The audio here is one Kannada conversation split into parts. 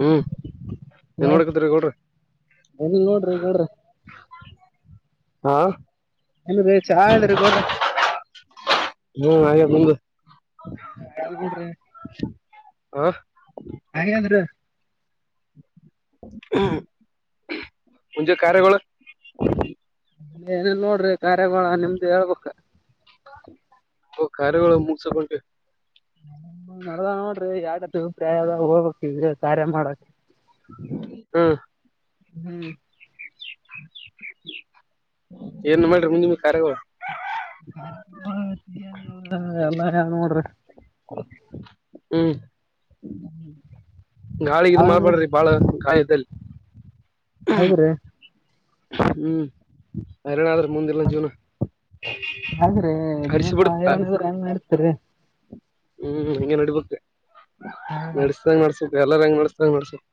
ಹ್ಮ್ ಏನ್ ಮಾಡಾಕತ್ತಿರಿ ಗೌಡ್ರೆ ಏನಿಲ್ಲ ನೋಡ್ರಿ ಗೌಡ್ರೆ ಹಾ ಚಾ ಆದ್ರಿ ಗೌಡ್ರ ಹ್ಮ ಆಗೆದ್ ನಿಮ್ದು ನಮ್ದ್ ಆಗ್ಯದ ನೋಡ್ರಿ ಹ ಹಾಗಂದ್ರ [unintelligible] ಹ್ಮ್ ಮುಂದೆ ಕಾರ್ಯಗಳು ಏನಿಲ್ ನೋಡ್ರಿ ಕಾರ್ಯಾಗಳ ನಿಮ್ದು ಹೇಳ್ಬಕ್ ನಮ್ದು ಕಾರ್ಯಗಳು ಮುಗ್ಸುಕೊಂಟಿ ನೋಡ್ರಿ ಯಾಾರತ್ಪ್ರಾಯದ ಹೋಗಬೇಕು ಕಾರ್ಯ ಮಾಡಕ್ ಹ್ಮ ಹ್ಮ್ ಏನ್ ಮಾಡ್ರಿ ನೀವ್ ಕಾರ್ಯಗಳು ಕಾರ್ರಮ ಎಲ್ಲ ಯಾವ ನೋಡ್ರಿ [unintelligible] ಹ್ಮ್ ಹ್ಮ್ ನಾಳೆಗೆ ಇದ್ ಮಾಡ್ಬೇಡ್ರಿ ಬಾಳ ಕಾರ್ಯದಲ್ಲಿ ಹೌದ್ರಿ ಹ್ಮ್ ಆದಿಲ್ಲ ಅಂದ್ರೆ ಮುಂದಿಿಲ್ಲ ಜೀವನ ಆದ್ರೆ ನೀವ ಹರಿಸಿ ಬಿಡ ಆಗಿಲ್ಲ ಅಂದ್ರೆ ಹೆಂಗ ಮಾಡತಾರೆ ಹ್ಮ್ ಹಂಗೆ ನಡಿಬೆಕ್ ಹಾ ನಡಿಸ್ದಂಗ ನಡ್ಸ ಎಲ್ಲಾರ ಹೆಂಗ್ ನಡ್ಸಿತರ ಹಂಗ ನಡ್ಸಬೇಕು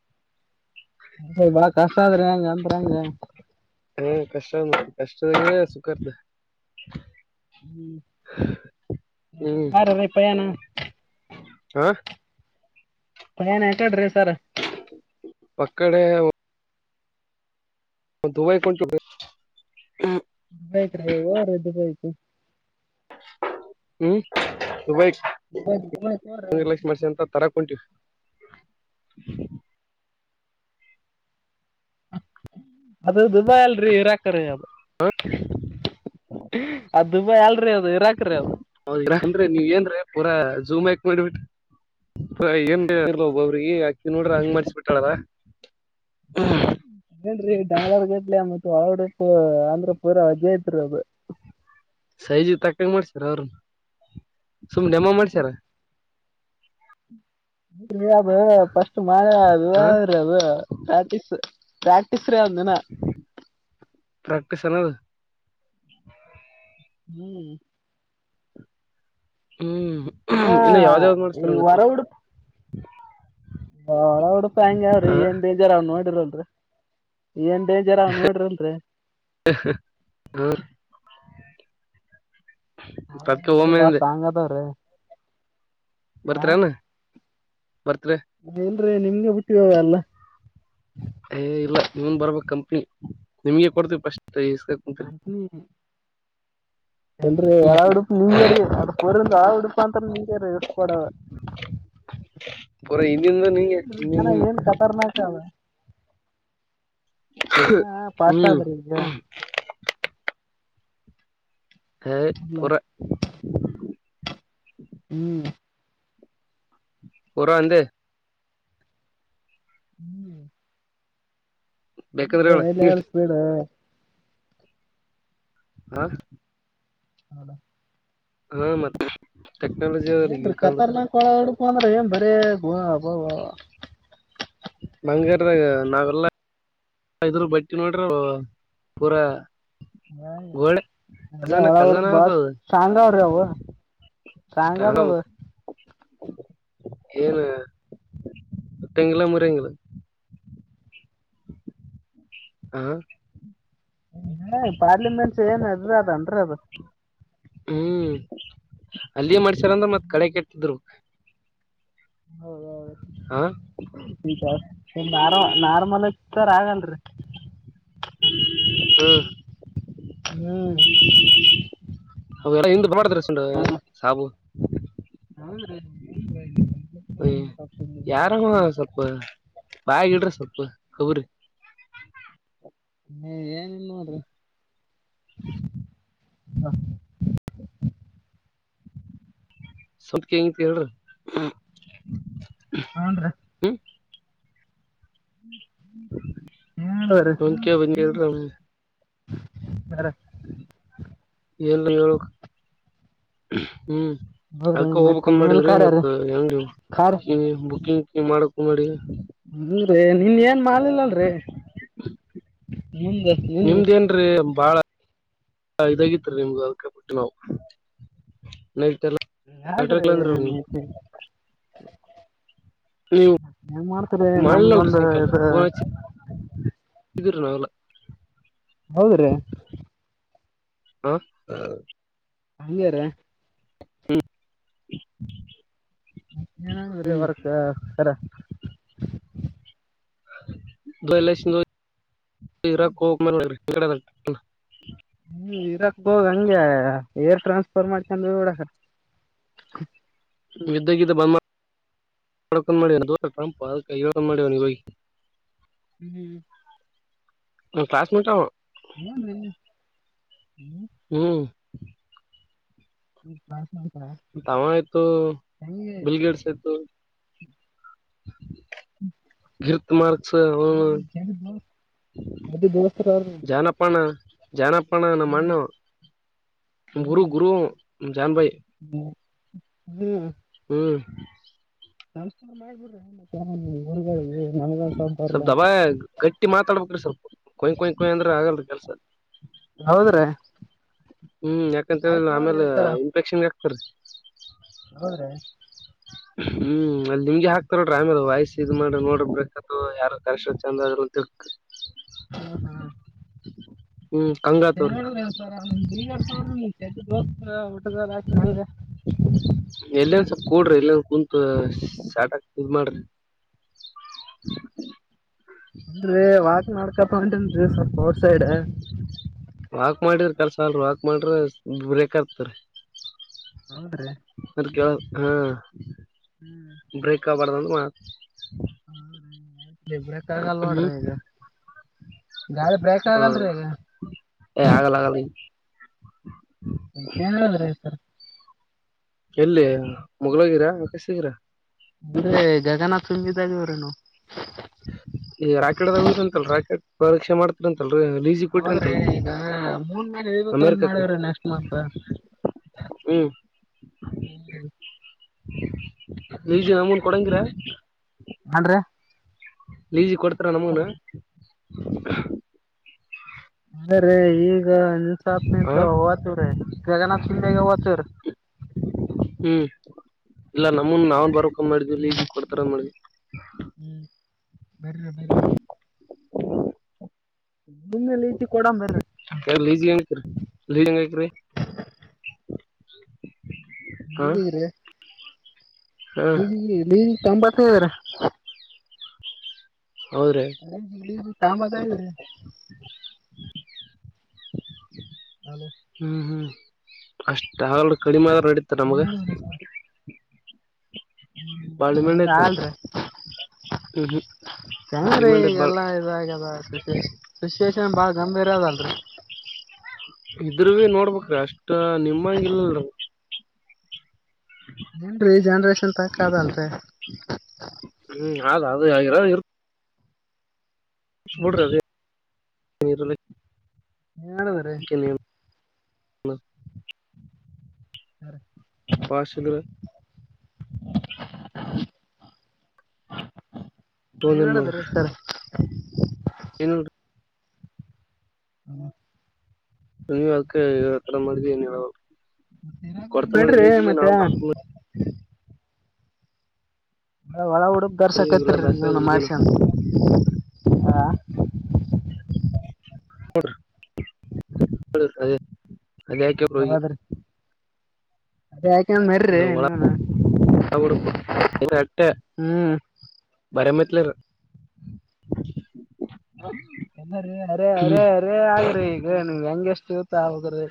ಹ ಬಹಳ ಕಷ್ಟ ಆದ್ರಂಗ ಅಂತರಂಗ ಹ ಕಷ್ಟ ಕಷ್ಟದ ಸುಖಾರ್ದ ಹ್ಮ ಹ್ಮ್ ಯ ರಪಯಾನ ಹಾ ಪಯನ್ ಆಕಾಡ್ರಿ ಸರ್ ಪಕ್ಕಡೆ ದುಬೈ ಕ ಚು ಯತ್ ರದುಯ್ತು ಹ್ಮ್ ದುಬೈ ದುಬೈ ಹೋಗ್ರಿ ಚಕ್ಷ್ಮ ಮಸ ಅಂತ ತರ [inaudible] ಅದು ದುಬ ಎಲ್ರಿ ಇರಾಕ್ರೀ ಅದ ಅದು ದುಬ ಎಲ್ರಿ ಅ ಹೌದ ಅಂದ್ರೆ ನೀವ್ ಏನ್ ಪೂರಾ ಜೂಮ್ ಹಾಕ್ ಮಾಡಿಬಿಟ್ರ ಏನ್ ಒಬ್ಬೊಬ್ರಿಗೆ ಅಕಿ ನೋಡ್ರಿ ಹಂಗ್ ಮಾಡ್ಸಬ ಬಿಟ್ಟಾಳಲ್ಲ ಏನ್ರಿ ಡಾಲರ್ ಗಟ್ಲಿ ಮತ್ತೆ ಅವಡ ಇ ಆಂದಧ್ರ ಪರ ಜಯತ್ರ್ಬ ಸೈಜು ತಕ್ಕಂಗ ಮಾಡ್ಸ್ಯಾರ ಅವ್ರನ್ನ ಸುಮ್ಮ್ ನೆಮ್ಮ ಮಾಡ್ಸ್ಯಾರ ಹ್ಮ ಫಸ್ಟ್ ಮಾಳ ಹಾ ಅರ ಅದು ಪ್ರಾಕ್ಟಿಸಸ್ ಪ್ರಾಕ್ಟಿಸಸ್ ಅಂದನ ಮಪ್ಪ ಚನದು ಹ್ಮ್ ಹ್ಮ್ ಹಾ ಇನ್ನು ಯಾವ್ದ ಯಾವಾಗ ಮಾಡ ಈ ಸ್ಥರಂಗತರುಪ ಹಾ ಉಡುಪಾ ಹೆಂಗಗೆ ಅವಾವ್ರಿ ಹಾ ಏನ್ ಡೇಜರ್ ಅವ್ ನೋಡಿರಲ್ರರಿ ಏನ್ ಡೇಂಜರ್ ಅವ ನೋಡ್ರಂದ್ರ ಹಾ ಹಾ ಅದಕ್ಕೆ ಓಮೆ ಬಳ ಸಂಗತ ರ ಬರ್ತ್ರಾನ ಬರ್ತ್ರಿ ಇಲ್ರಿ ನಿಮ್ಗೆ ಬಿಟ್ಟಿವ ಎಲ್ಲ ಏ ಇಲ್ಲ ನೀವನ್ ಬರ್ಬೇಕಂ ನಿಮ್ಗೆ ಕೊಡ್ತವಿ ಪಫಸ್ಟ್ ಇಸ್ಕ ಕುತ್ರಿ ಎಲ್ರರಿ ಒಳ ಉಡುಪ ನಿಂಗೇರೀ ಅವ್ರ ಪೋರ್ಂದ ಹೊ ಉಡುಪ ಅಂತ ನಿಂಗೇರಿ ಇ ಕೊಡವ ಪೂರಾ ಇಲ್ಲಿಂದ ನಿಂಗೆ ಜನ ಏನ್ ಕತಾರ್ನಾಕ ಅಲ್ಲ ಪಾಸ್ಟ್ ಹ್ಮ್ ಆದ್ರಿ ಈಗ ಹ ಇಲ್ಲ ಪೂರ ಹ್ಮ್ ಪರ ಅಂದ ಹ್ಮ್ ಬೇಕಂದ್ರೆ ಹೇಳ ಎಲ್ಲಿ ಎಳ್ಸಬೇಡ ಹಾ ಹೌದ ಹಾ ಮತ್ತ ಏನ್ ಕತನ ಕೊ ಹಂದ್ರ ಏ ಬರ ಗು ಅಬ ನಂಗಾರ ನಾಗಲ್ಲ ಇದ್ರ ಬಟ್ಟಿ ನೋಡ್ರೆ ಪೂರಾ ಹ ಗೋಲ್ಡ್ ಖಜಾನ ಅಲ್ಲ ಹೊರ ಖಜಾನ ಅದ ಬಸ್ ಅದು. ಸಗ ಅವರಾವ ಸಗ ತದು ಏನುಟ್ಟೆಂಗ ಮುರಂಗ ಹಾ ಪಾರ್ಲಿಮೆಂಟ್ಸ್ ಏನ್ ಅದ್ರ ಅದನ್ ಅದ ಹ್ಮ್ ಅಲ್ಲಿಯ ಮಾಡ್ಸ್ಯಾರಂದ್ರ ಮತ್ತ್ ಕಳ ಕೆಟ್ತಿದ್ರು ಹೌದೌದು ನ ನಾರ್ಮಲ್ ಸರ್ ಆಗಲ್ರಿ ಹ್ಮ್ ಹ್ಮ್ [unintelligible] ಹ್ಮ್ ಯಾರವ ಸ್ವಲ್ಪ [unintelligible] ಬಾಯಾಗ ಇಡ್ರಿ ಸ್ವಲ್ಪ ಕಬುರಿ ಹೂಂ ಏನಿಲ್ಲ ನೋಡ್ರಿ [inaudible] [unintelligible] ಹೇಳ್ರಿ ಹೂನ್ರಿ ಹ್ಮ್ ಹ್ಞೂನ್ರಿ [unintelligible] [unintelligible] [unintelligible] ಹ್ಮ್ ಹೌದ್ರಿ ಅದಕ್ಕ ಮತ್ತೆ ಹೋಗಬಕಮ್ ಮುಂದಿನ ಮಾಡಿವ್ರೀ ಕಾರ್ಯ ಮತ್ ರೀ ಹೆಂಗ ಕಾರ್ಯ ಬುಕಿಂಗ್ [unintelligible] ಅಂದೇ ನೀನ್ ಏನ್ ಮಾಡ್ಲಿಲ್ಲಲ್ರೀ ಮುಂದ ಮುಂದ್ನೋಡ ಅದು ಇದಾಗಿತ್ರೀ ನಿಮ್ದು ಅದಕ್ಕ ಬಿಟ್ಟೀವ್ ನಾವು ಯಾಕ್ರಿ ಮತ್ತೆ [unintelligible] ನೀವು [inaudible] ಏನ್ ಮಾಡ್ತಿರಿ ಮಾಡ್ಲಲ್ರಿ ನಮ್ದೊಂದು ಸಾಯಂಕಾಲ ಇದ್ರ ಫೋನ್ [unintelligible] ಹೌದ್ರೀ ಹಾ ಹಂಗೇರ ಹ್ಮ [unintelligible] ವರ್ಕ್ ಸರ [unintelligible] ಹ್ಮ್ ಇರಾಕ್ ಹೋಗ್ ಹಂಗೆ ಏರ್ ಟ್ರಾನ್ಸ್ಫರ್ ಮಾಡ್ಕೊಂಡ್ ಹೋಗ್ಬಿಡ [inaudible] ಯುದ್ಧ ಗಿದ್ದ ಬಂದ್ಮಾ [unintelligible] ಹ್ಮ್ ನಮ್ ಕ್ಲಾಸ್ಮೆಟ್ ಅವ ಏನ್ ರೀ ಹ್ಮ್ [inaudible] ಮತ್ತಾವ ಆಯ್ತು ಹೆಂಗೆ ಬಿಲ್ಗೇಡ್ಸ್ ಆಯ್ತು ಗಿರ್ತ್ ಮಾರ್ಕ್ಸ್ ಅವ್ನು ಜಡಿ [unintelligible] ಜಾಣಪ್ಪಣ ಹ್ಮ್ ನಮ್ಮಣ್ಣವ ಗುರು ಹ್ಮ್ ಗುರು ಅವ ನಮ್ ಜಾನ್ ಬಾಯ್ ಹ್ಮ್ ಹ್ಮ್ ನಮಸ್ಕಾರ್ ಮಾಡ್ಬಿಡ್ರಿ [unintelligible] ನಮಗೊಂದ್ ಸ್ವಲ್ಪ ಬರ್ಲ ದಬ ಗಟ್ಟಿ ಮಾತಾಡ್ಬೇಕ್ರಿ ಸ್ವಲ್ಪ ಕೊಯ್ ಕೊಯ್ ಕೊಯ್ ಅಂದ್ರ ಆಗಲ್ರೀ ಕೆಲ್ಸ ಹೌದ್ರ್ಯಾ ಹ್ಮ್ ಯಾಕಂತ ಹೇಳಿಲ್ಲ ಆಮೇಲ್ ಇನ್ಫೆಕ್ಷನ್ಗೆ ಆಕ್ತಿರೀ ಹೌದ್ರ್ಯಾ ಹ್ಮ್ ಅಲ್ಲಿ ನಿಮ್ಗೆ ಹಾಕ್ತಾರ್ ನೋಡ್ರಿ ಆಮೇಲೆ ವಾಯ್ಸ್ ಇದ ಮಾಡ್ರ ನೋಡ್ರಿ ಬ್ರೇಕತ್ತದ ಯಾರು ಕರೆಷ್ಟ ಚಂದ [unintelligible] ಹಾ ಹಾ ಹ್ಮ್ ಕಂಗಾತವ್ರಿ ಹೇಳಿದ್ರೀ ಸರ ಬಿಲ್ ಗೇಟ್ಸ್ ಅವ್ರು ನಿಮ್ ಚಡ್ಡಿ ದೋಸ್ತ ಆಗ್ಬುಟ್ಟದಲ್ಲ ಎಲ್ಲಂದ ಸ್ಲ್ ಕೂಡ್ರಿ ಎಲ್ಲಂದ ಕುಂತ ಸಾರ್ಟ ಆ ಇ ಮಾಡ್ರಿ [unintelligible] ಅನ್ರಿ ವಾಕ್ ನಡ್ಕಪ್ಪ ಉಂಟೇನ್ರಿ ಸ್ವಲ್ಪ ಔಟ್ ಸೈಡ್ ವಾಕ್ ಮಾಡಿದ್ರ ಕೆಲ್ಸ ಅಲ್ ವಾಕ್ ಮಾಡ್ರ ಬ್ರೇಕ ಆತರಿ ಹೌದ್ರೀ ಹಾ ಬ್ರೇಕ್ ಆಗ್ಬಾರ್ದಂದ ಮತ್ ಹಾ ರಯ್ ದಬ್ರ ಕಗಲ್ ಹ್ಮ್ ನೋಡ್ರಿ ಈಗ ಗಾಡಿ ಬ್ರೇಕ್ ಹಾ ಆಗಲ್ರಿೀ ಈಗ ಏ ಆಗಲ್ಲ ಆಗಲ್ಲ ಏ ಹೇಳಿದ್ರೆ ಸರ್ ಎಲ್ಲಿ ಮುಗ್ಳೋಗಿರಾ ಮಕಸಗಿರಾ ಅಂದ್ರೆ ಜಗನಾಥ್ ಸುಂಗಿದಾಗವ್ರೇನು ಈ ರಾಕೆಟ್ದ ಹೋಗಿ್ರಂತಲ್ಲ ರಾಕೆಟ್ ಪರೀಕ್ಷೆ ಮಾಡ್ತಿರಂತೆ ಲೀಸಿ ಕೊಟ್ರಿ ಹೌದ್ರಿ ಅಂತಲ್ಲ ಈಗ ಮೂನ್ ಮೇಲೆ ಇಳಿಬೇಕಂತ ಅಮೇರಿಕಕ್ಕೆ ಮಾಡವ್ರಿ ನೆಕ್ಸ್ಟ್ ಮಂತ್ ಹ್ಮ್ ಹ್ಮ್ ಲಜ ನಮೂನ್ ಕೊಡಂಗರ ಹಾನ್ರಿ ಲಜಿ ಕೊಡ್ತಾರ ನಮಗನು ಆದ್ರೆ ಈಗ ಹಾ ವತುರ ಜಗಾನಥ ಶಿಂದೆಗ ವತುರ ಇಲ್ಲಾ ನಮನ್ ನಾವನ್ ಬರಕ ಮಾಡಿದ್ವಿ ಇಲ್ಲಿ ಈಜಿ ಕೊಡ್ತಾರಂದ್ ಮಾಡ್ವಿ ಹ್ಮ್ ಬರ್ರರಿ ಬರ್ರಿ ಮಮ್ಮೆಲಿ ಇಟ್ಟಿ ಕೊಡ ಬರ್ರ ಮಾಡಿದ್ವಿ ಲೀಜಿ ಹೆಂಗ್ ಲೀಜ್ ಹೆಂಗ್ ಹಾಕ್ರಿ [unintelligible] [unintelligible] ಹಾ ನೀಗ್ರ ಹಾ ನಿ ನೀ ತಂಬಾಸವರ ಹೌದ್ರಿ ಅ ಕಾಮ ಅತಾಯ ಹಲೋ ಹ್ಮ್ ಹ್ಮ್ ಅಷ್ಟ ಹಾಗಲ್ೂ ಕಡಿಮೆ ಆದ ಇಡಿತ ನಮ್ಗ ಏನ್ ಹೇಳಿದ್ರಿ ಹ್ಮ್ ಅಲ್ ಐತ ಆಲ್ರಿೀ ಹ್ಮ್ ಹ್ಮ್ ಚಂಗ್ರೀ ಡಿಮ್ಯಾಂಡ್ ಐತ್ ಬಾಳ ಎಲ್ಲಾ ಇದಾಗದ ಸುಶೇಶ್ ಸುಶೇಶ್ ಬಾ ಗಂಭೀರ ಅದಲ್ರರಿ ಇದ್ರ ನೋಡ್ಬೇಕ್ರೀ ಅಷ್ಟ ನಿಮ್ಮಂಗಿಲ್ಲಲ್ರಿ ಏನ್ರೀ ಜನ್ರೇಷನ್ ತಕ್ಕ ಅದಲ್ರಿ ಹ್ಮ್ ಅದು ಅದು ಆಗರ [unintelligible] ನಳ ಬರ ಹ್ಮ ಪ ಸಿಿದಾ ನೀನ್ ಏನ್ ಮಾಡ ಹೇಳದರಿ ಸರ ಏನಿಲ್ರಿ ಹ ನೀವು್ ಅದಕ್ಕೆತರ ಮಾಡಿದಿ ನ್ ಹೇಳ ಕೊಡ್ತ ಮಾಡಿ ಬಿಡ್ರಿ ಲೀಜಿಗೆ ಮತ್ತೆ ನಾವ್ ಬರ್ತೀವಿ ಒಳ ಹುಡುಗ್ ಇಲ್ಲ ದರ್ಸಕತ್ರಿೀ ಬ್ಯಾಸರ ನೀನು ಆಗಿಲ್ಲ ಮಾಡ್ಸ ಅಂತ ಹಾ ಹ ಹೋಡಿ ಹಡ ಅದೇ ಅದೇ ಯಾಕೆಬ್್ರ ಹಿ ಅದ ಯಾಕಂದ ಮರಿ್ರಿ ನೀವಲ್ಲ ಬಿಡಪುರ್ ಹ್ಮ್ ಬರ ಮತ್ಲೆ ಎಾರೀ ಅರೆೇ ಹ್ಮ್ ಅರೆೇ ಅರೆೇ ಆಗಿರಿ ಈಗ ನೀ ಹೆಂಗೆ ಎಷ್ಟು ಇತ ಆಗರು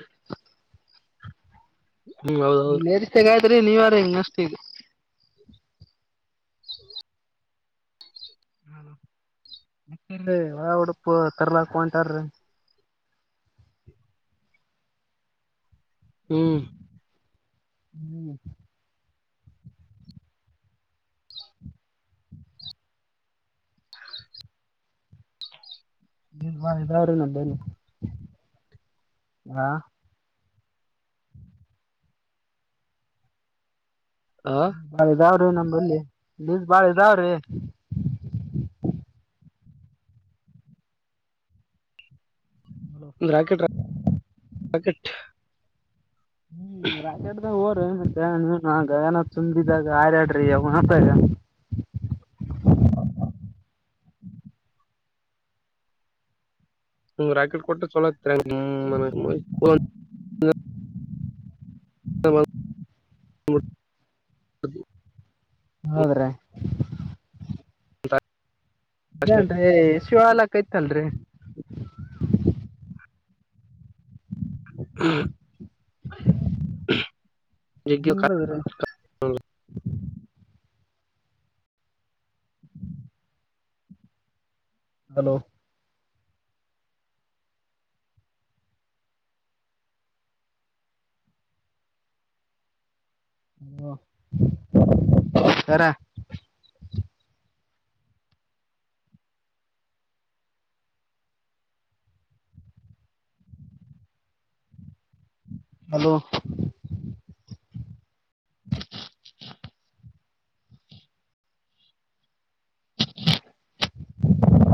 ಹ್ಮ್ ಹೌದೌದ್ರಿ ಸೆಗಯ್ತ್ರಿ ನೀವಾರ ಮಷ್ಟ [inaudible] ಹ್ಮ ಮತ್ತ ಹೊ ಉಡಪು ತರ್ಲಾಕಂಟಾರೀ ಹ್ಮ್ ಹ್ಮ್ ದರ ನಡನೆ ಹಾ ಆ ಬಾಳ ಇದಾವ್ರೀ ನಮಲ್ಲಿ ಲ ಬಾಳ ಇದಾವ್ರೀ ಹಲೋ ರಾಕೆಟ್ ರಾಕಟ್ ಹ್ಮ್ ರಾಕಟದ ಹರ ಆಗ ಏನ ತುಂಬಿದಾಗ ಹರ್ಯಾಡ್ರಿ ಯ ಮಾತ ರಾಕೆಟ್ ಕೊಟ್ಟ ಚಲ ತರ ಹ ಹದು ಹೌದ್ರೀ [inaudible] ಏನ್ ರಿ ಶಿವಾಲಕ್ಕಯ್ತಲ್ರಿ ಹ್ಮ hello [unintelligible] ನಿಮ್ರದ್ರಿ hello hello sir hello [inaudible]